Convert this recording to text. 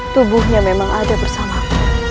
tubuhnya memang ada bersamaku